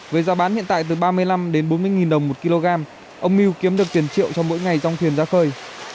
với giá bán hiện tại từ ba mươi năm đến bốn mươi nghìn đồng một kg ông miu kiếm được tiền triệu cho mỗi ngày trong thuyền ra khơi